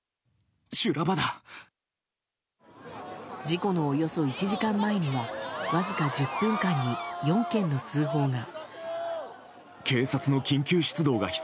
事故のおよそ１時間前にはわずか１０分間に４件の通報が。